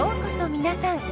皆さん。